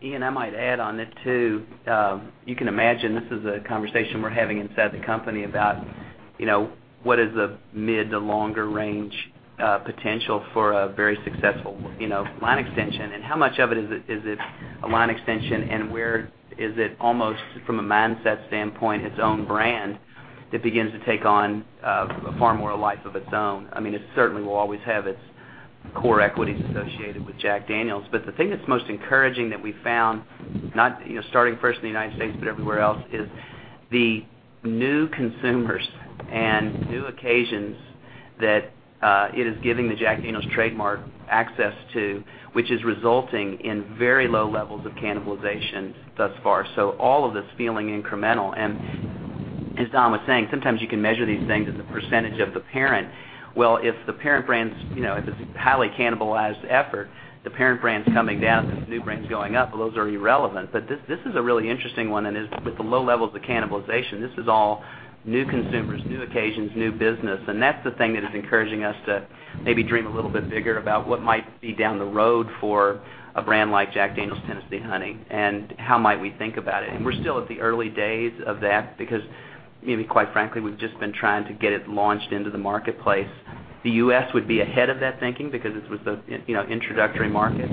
S4: Ian, I might add on it too. You can imagine this is a conversation we're having inside the company about, what is the mid to longer range potential for a very successful line extension, and how much of it is it a line extension, and where is it almost, from a mindset standpoint, its own brand that begins to take on a far more life of its own? It certainly will always have its core equities associated with Jack Daniel's. The thing that's most encouraging that we've found, starting first in the United States, but everywhere else, is the new consumers and new occasions that it is giving the Jack Daniel's trademark access to, which is resulting in very low levels of cannibalization thus far. All of this feeling incremental. As Don was saying, sometimes you can measure these things as a percentage of the parent. Well, if it's a highly cannibalized effort, the parent brand's coming down, this new brand's going up, those are irrelevant. This is a really interesting one, and with the low levels of cannibalization, this is all new consumers, new occasions, new business. That's the thing that is encouraging us to maybe dream a little bit bigger about what might be down the road for a brand like Jack Daniel's Tennessee Honey, and how might we think about it. We're still at the early days of that, because, maybe quite frankly, we've just been trying to get it launched into the marketplace. The U.S. would be ahead of that thinking because this was the introductory market.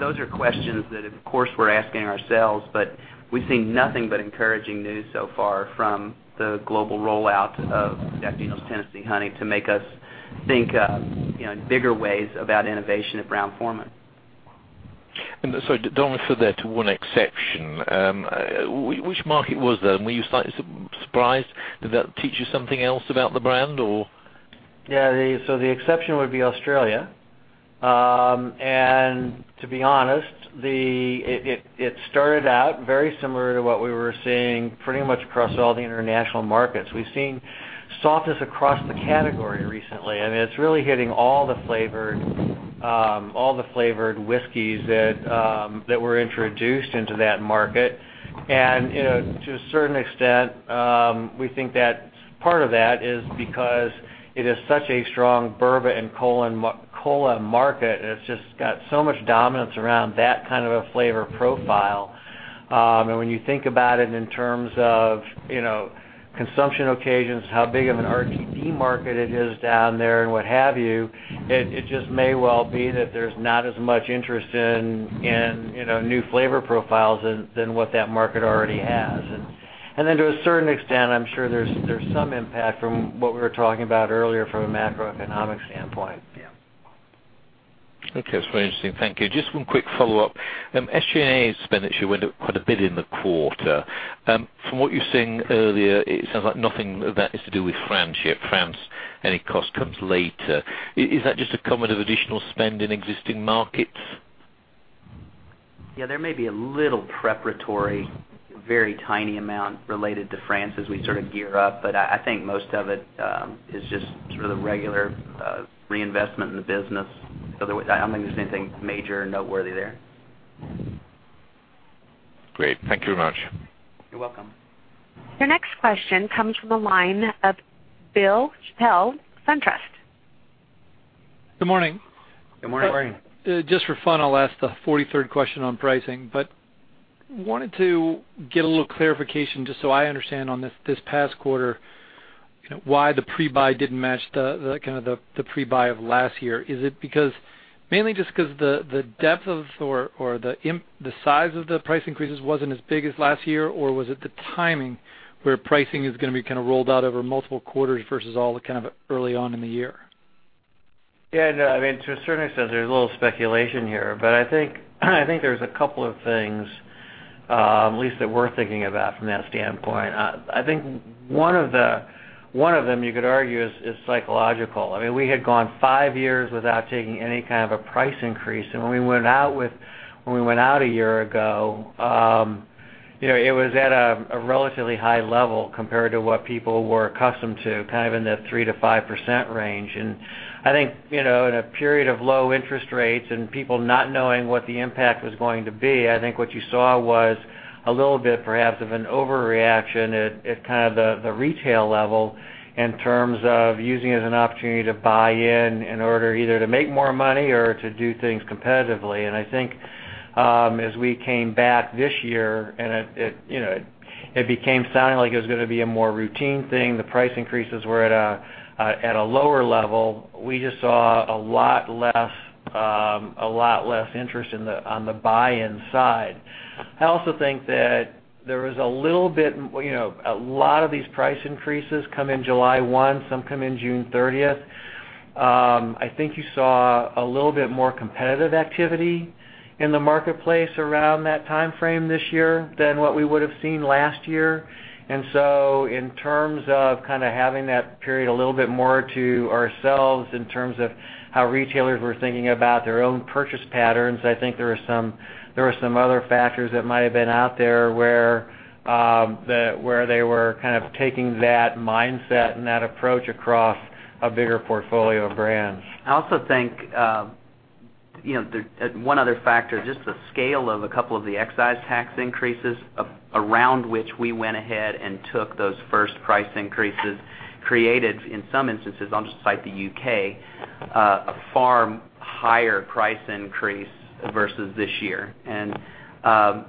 S4: Those are questions that, of course, we're asking ourselves, but we've seen nothing but encouraging news so far from the global rollout of Jack Daniel's Tennessee Honey to make us think in bigger ways about innovation at Brown-Forman.
S9: Don referred there to one exception. Which market was that? Were you surprised? Did that teach you something else about the brand, or?
S3: Yeah. The exception would be Australia. To be honest, it started out very similar to what we were seeing pretty much across all the international markets. We've seen softness across the category recently, and it's really hitting all the flavored whiskeys that were introduced into that market. To a certain extent, we think that part of that is because it is such a strong bourbon and cola market, and it's just got so much dominance around that kind of a flavor profile. When you think about it in terms of consumption occasions, how big of an RTD market it is down there and what have you, it just may well be that there's not as much interest in new flavor profiles than what that market already has. To a certain extent, I'm sure there's some impact from what we were talking about earlier from a macroeconomic standpoint.
S4: Yeah.
S9: Okay. That's very interesting. Thank you. Just one quick follow-up. SG&A spend actually went up quite a bit in the quarter. From what you were saying earlier, it sounds like nothing of that is to do with France yet. France, any cost comes later. Is that just a comment of additional spend in existing markets?
S4: Yeah, there may be a little preparatory, very tiny amount related to France as we sort of gear up. I think most of it is just sort of the regular reinvestment in the business. I don't think there's anything major noteworthy there.
S9: Great. Thank you very much.
S4: You're welcome.
S1: Your next question comes from the line of Bill Chappell, SunTrust.
S10: Good morning.
S4: Good morning.
S3: Good morning.
S10: Just for fun, I'll ask the 43rd question on pricing, but wanted to get a little clarification just so I understand on this past quarter why the pre-buy didn't match the pre-buy of last year. Is it mainly just because the depth or the size of the price increases wasn't as big as last year, or was it the timing where pricing is going to be rolled out over multiple quarters versus all kind of early on in the year?
S3: Yeah. To a certain extent, there's a little speculation here, I think there's two things at least that we're thinking about from that standpoint. I think one of them, you could argue, is psychological. We had gone 5 years without taking any kind of a price increase, when we went out a year ago, it was at a relatively high level compared to what people were accustomed to, kind of in the 3%-5% range. I think, in a period of low interest rates and people not knowing what the impact was going to be, I think what you saw was a little bit perhaps of an overreaction at the retail level in terms of using it as an opportunity to buy in order either to make more money or to do things competitively. I think as we came back this year, and it became sounding like it was going to be a more routine thing, the price increases were at a lower level. We just saw a lot less interest on the buy-in side. I also think that a lot of these price increases come in July 1, some come in June 30th. I think you saw a little bit more competitive activity in the marketplace around that timeframe this year than what we would've seen last year. In terms of having that period a little bit more to ourselves in terms of how retailers were thinking about their own purchase patterns, I think there were some other factors that might've been out there where they were taking that mindset and that approach across a bigger portfolio of brands.
S4: I also think, one other factor, just the scale of two of the excise tax increases around which we went ahead and took those first price increases, created, in some instances, I'll just cite the U.K., a far higher price increase versus this year. I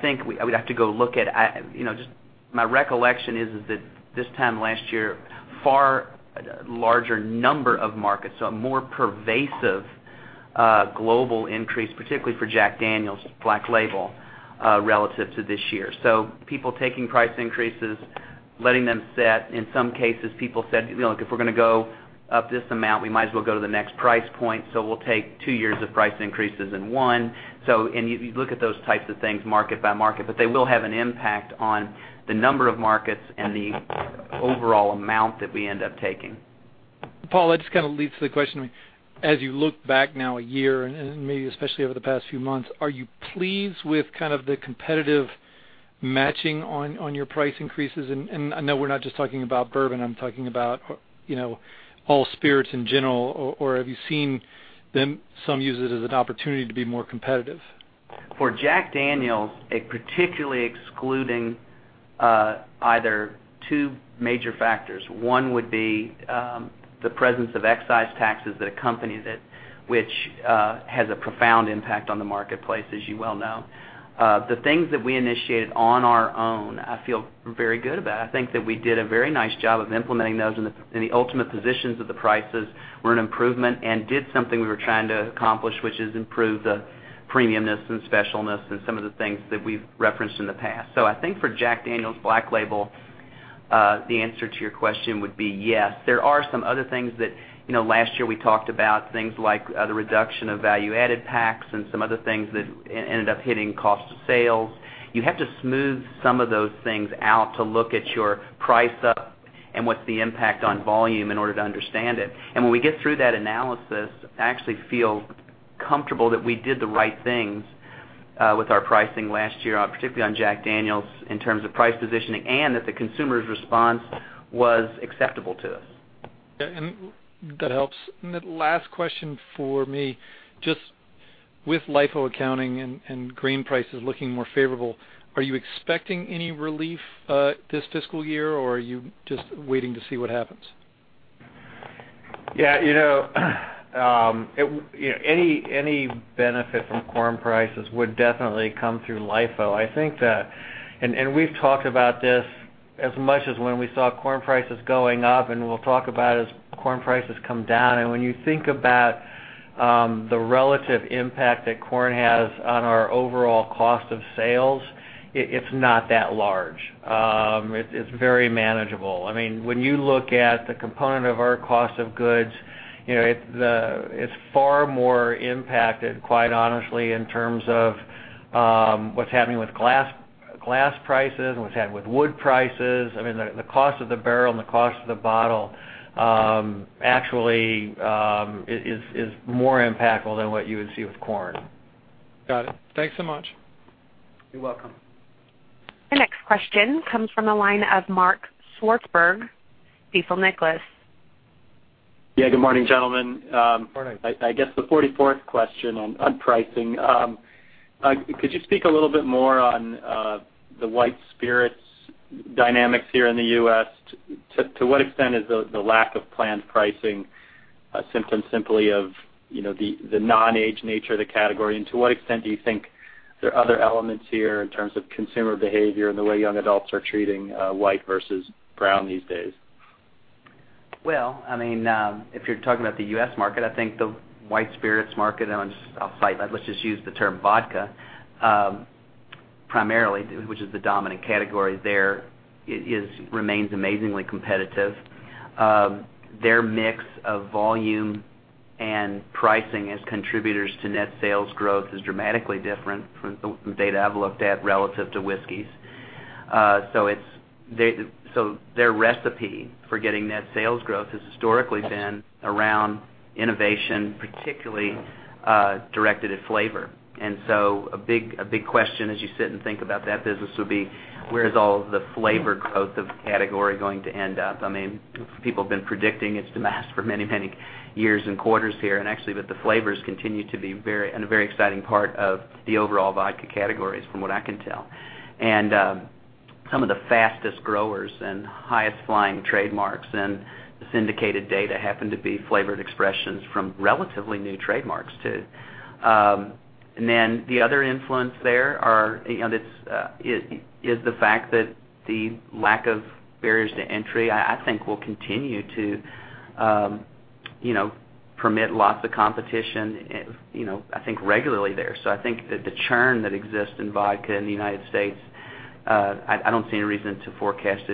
S4: think, I would have to go look at. My recollection is that this time last year, far larger number of markets, a more pervasive global increase, particularly for Jack Daniel's Black Label, relative to this year. People taking price increases, letting them set. In some cases, people said, "Look, if we're going to go up this amount, we might as well go to the next price point, so we'll take 2 years of price increases in one." You look at those types of things market by market, they will have an impact on the number of markets and the overall amount that we end up taking.
S10: Paul, that just leads to the question, as you look back now a year and maybe especially over the past few months, are you pleased with the competitive matching on your price increases? No, we're not just talking about bourbon, I'm talking about all spirits in general, or have you seen some use it as an opportunity to be more competitive?
S4: For Jack Daniel's, particularly excluding either two major factors. One would be the presence of excise taxes that accompany that, which has a profound impact on the marketplace, as you well know. The things that we initiated on our own, I feel very good about. I think that we did a very nice job of implementing those, the ultimate positions of the prices were an improvement and did something we were trying to accomplish, which is improve the premiumness and specialness and some of the things that we've referenced in the past. I think for Jack Daniel's Black Label, the answer to your question would be yes. There are some other things that, last year we talked about things like the reduction of value-added packs and some other things that ended up hitting cost of sales. You have to smooth some of those things out to look at your price up and what's the impact on volume in order to understand it. When we get through that analysis, I actually feel comfortable that we did the right things with our pricing last year, particularly on Jack Daniel's, in terms of price positioning, and that the consumer's response was acceptable to us.
S10: Yeah. That helps. The last question for me, just with LIFO accounting and grain prices looking more favorable, are you expecting any relief this fiscal year, or are you just waiting to see what happens?
S3: Yeah. Any benefit from corn prices would definitely come through LIFO. We've talked about this as much as when we saw corn prices going up, and we'll talk about as corn prices come down. When you think about the relative impact that corn has on our overall cost of sales, it's not that large. It's very manageable. When you look at the component of our cost of goods, it's far more impacted, quite honestly, in terms of what's happening with glass prices and what's happening with wood prices. The cost of the barrel and the cost of the bottle actually is more impactful than what you would see with corn.
S10: Got it. Thanks so much.
S3: You're welcome.
S1: The next question comes from the line of Mark Swartzberg, Stifel.
S11: Yeah, good morning, gentlemen.
S3: Morning.
S11: I guess the 44th question on pricing. Could you speak a little bit more on the white spirits dynamics here in the U.S.? To what extent is the lack of planned pricing a symptom simply of the non-age nature of the category, and to what extent do you think there are other elements here in terms of consumer behavior and the way young adults are treating white versus brown these days?
S4: Well, if you're talking about the U.S. market, I think the white spirits market, and I'll cite, let's just use the term vodka, primarily, which is the dominant category there, remains amazingly competitive. Their mix of volume and pricing as contributors to net sales growth is dramatically different from the data I've looked at relative to whiskeys. Their recipe for getting net sales growth has historically been around innovation, particularly, directed at flavor. A big question as you sit and think about that business would be, where is all of the flavor growth of the category going to end up? People have been predicting its demise for many years and quarters here, actually, that the flavors continue to be a very exciting part of the overall vodka categories from what I can tell. Some of the fastest growers and highest flying trademarks and syndicated data happen to be flavored expressions from relatively new trademarks, too. The other influence there is the fact that the lack of barriers to entry, I think will continue to permit lots of competition, I think, regularly there. I think that the churn that exists in vodka in the United States, I don't see any reason to forecast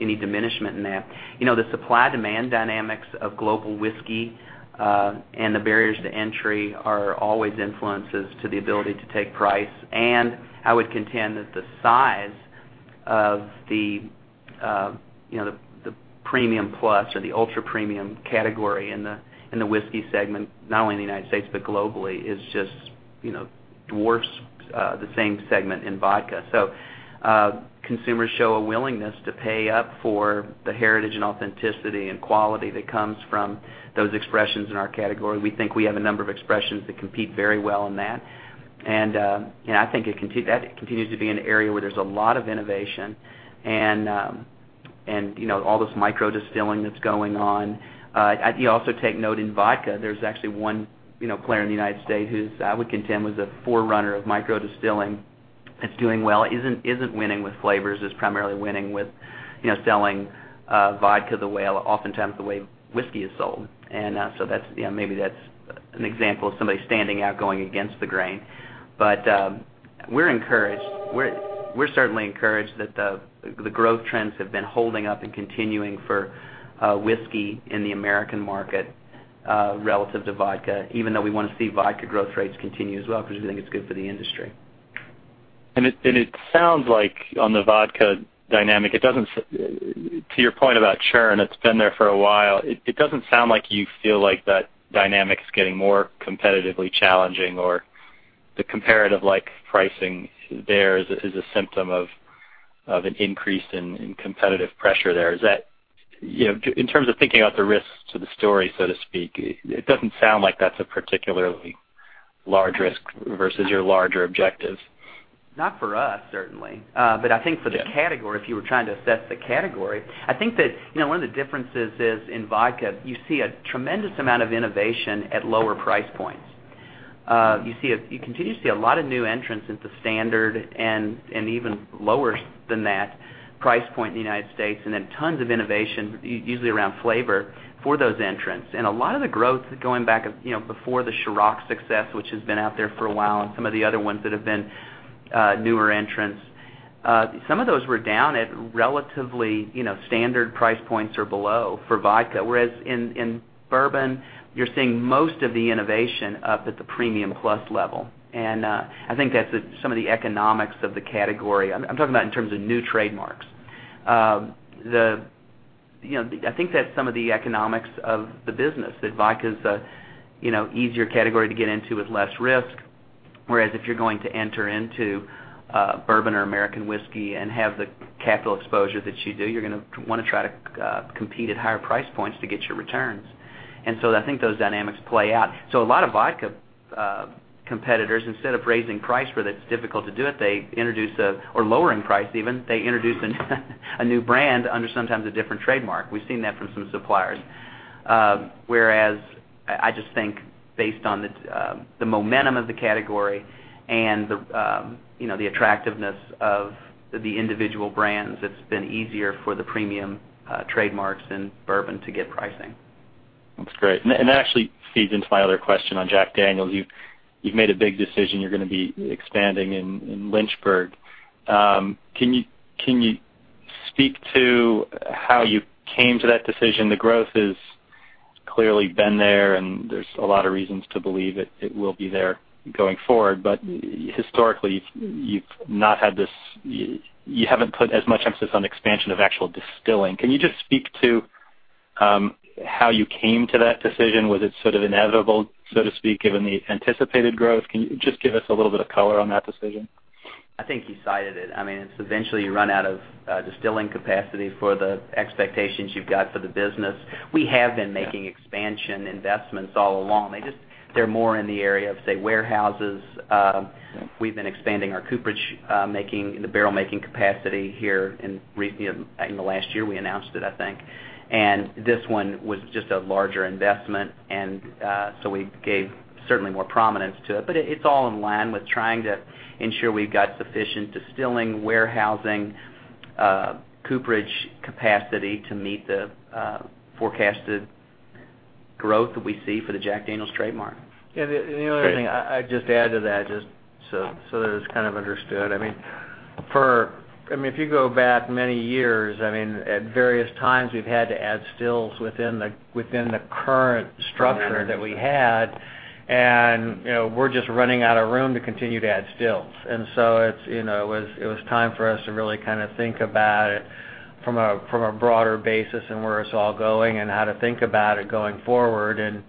S4: any diminishment in that. The supply-demand dynamics of global whiskey, and the barriers to entry are always influences to the ability to take price. I would contend that the size of the Premium Plus or the ultra-premium category in the whiskey segment, not only in the United States but globally, just dwarfs the same segment in vodka. Consumers show a willingness to pay up for the heritage and authenticity and quality that comes from those expressions in our category. We think we have a number of expressions that compete very well in that. I think that continues to be an area where there's a lot of innovation and all this micro distilling that's going on. You also take note in vodka, there's actually one player in the U.S. who I would contend was a forerunner of micro distilling, that's doing well, isn't winning with flavors, is primarily winning with selling vodka oftentimes the way whiskey is sold. Maybe that's an example of somebody standing out going against the grain. We're encouraged. We're certainly encouraged that the growth trends have been holding up and continuing for whiskey in the American market, relative to vodka, even though we want to see vodka growth rates continue as well, because we think it's good for the industry.
S11: It sounds like on the vodka dynamic, to your point about churn, it's been there for a while. It doesn't sound like you feel like that dynamic's getting more competitively challenging or the comparative pricing there is a symptom of an increase in competitive pressure there. In terms of thinking about the risks to the story, so to speak, it doesn't sound like that's a particularly large risk versus your larger objectives.
S4: Not for us, certainly. I think for the category, if you were trying to assess the category, I think that one of the differences is in vodka, you see a tremendous amount of innovation at lower price points. You continue to see a lot of new entrants into standard and even lower than that price point in the U.S., then tons of innovation, usually around flavor, for those entrants. A lot of the growth going back before the Cîroc success, which has been out there for a while, and some of the other ones that have been newer entrants, some of those were down at relatively standard price points or below for vodka. Whereas in bourbon, you're seeing most of the innovation up at the premium plus level. I think that's some of the economics of the category. I'm talking about in terms of new trademarks. I think that some of the economics of the business, that vodka's a easier category to get into with less risk. Whereas if you're going to enter into bourbon or American whiskey and have the capital exposure that you do, you're going to want to try to compete at higher price points to get your returns. I think those dynamics play out. So a lot of vodka competitors, instead of raising price where that's difficult to do it, or lowering price even, they introduce a new brand under sometimes a different trademark. We've seen that from some suppliers. I just think based on the momentum of the category and the attractiveness of the individual brands, it's been easier for the premium trademarks in bourbon to get pricing.
S11: That's great. That actually feeds into my other question on Jack Daniel's. You've made a big decision. You're going to be expanding in Lynchburg. Can you speak to how you came to that decision? The growth has clearly been there, and there's a lot of reasons to believe it will be there going forward. Historically, you haven't put as much emphasis on expansion of actual distilling. Can you just speak to how you came to that decision? Was it sort of inevitable, so to speak, given the anticipated growth? Can you just give us a little bit of color on that decision?
S4: I think you cited it. It's eventually you run out of distilling capacity for the expectations you've got for the business. We have been making expansion investments all along. They're more in the area of, say, warehouses. We've been expanding our cooperage making, the barrel making capacity here in the last year, we announced it, I think. This one was just a larger investment, so we gave certainly more prominence to it. It's all in line with trying to ensure we've got sufficient distilling, warehousing, cooperage capacity to meet the forecasted growth that we see for the Jack Daniel's trademark.
S3: The only other thing I'd just add to that, just so that it's kind of understood. If you go back many years, at various times, we've had to add stills within the current structure that we had. We're just running out of room to continue to add stills. It was time for us to really think about it from a broader basis and where it's all going and how to think about it going forward, and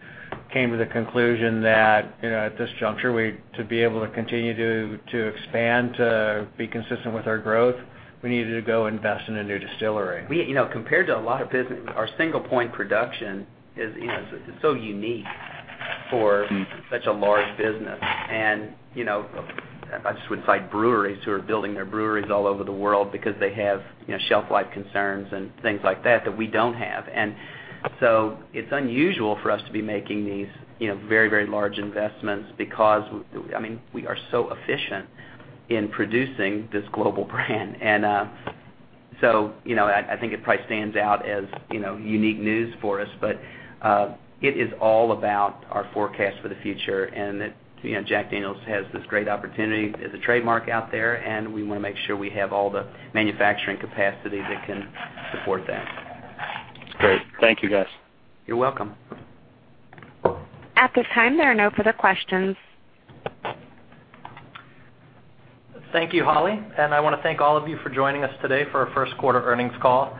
S3: came to the conclusion that, at this juncture, to be able to continue to expand, to be consistent with our growth, we needed to go invest in a new distillery.
S4: Compared to a lot of business, our single point production is so unique for such a large business. I just would cite breweries who are building their breweries all over the world because they have shelf life concerns and things like that we don't have. It's unusual for us to be making these very large investments because we are so efficient in producing this global brand. I think it probably stands out as unique news for us, but, it is all about our forecast for the future, and that Jack Daniel's has this great opportunity as a trademark out there, and we want to make sure we have all the manufacturing capacity that can support that.
S11: That's great. Thank you, guys.
S4: You're welcome.
S1: At this time, there are no further questions.
S3: Thank you, Holly. I want to thank all of you for joining us today for our first quarter earnings call.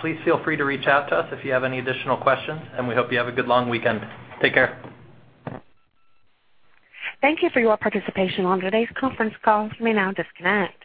S3: Please feel free to reach out to us if you have any additional questions, and we hope you have a good long weekend. Take care.
S1: Thank you for your participation on today's conference call. You may now disconnect.